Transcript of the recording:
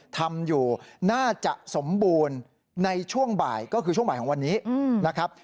ทำอยู่น่าจะสมบูรณ์ในช่วงบ่ายก็คือช่วงบ่ายของวันนี้นะครับ